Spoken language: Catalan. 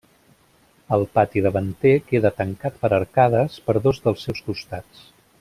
El pati davanter queda tancat per arcades per dos dels seus costats.